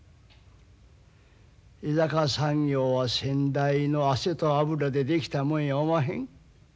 江坂産業は先代の汗と脂で出来たもんやおまへん。